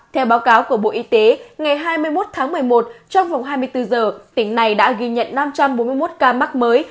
theo báo cáo của bộ y tế ngày hai mươi một tháng một mươi một trong vòng hai mươi bốn giờ tỉnh này đã ghi nhận năm trăm bốn mươi một ca mắc mới